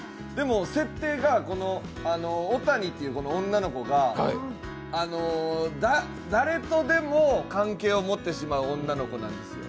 設定が、この女の子が誰とでも関係を持ってしまう女の子なんです。